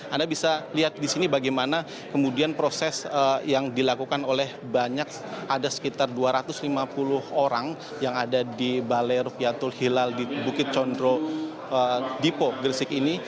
anda bisa lihat di sini bagaimana kemudian proses yang dilakukan oleh banyak ada sekitar dua ratus lima puluh orang yang ada di balai rukyatul hilal di bukit condro dipo gresik ini